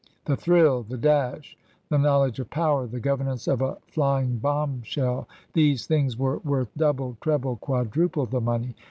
The thrill, the dash, the knowledge of power, the governance of a flying bomb shell these things were worth double, treble, quadruple the money.